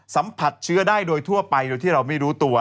สัมผัสเชื้อได้โดยทั่วไปโดยที่เราไม่รู้ตัว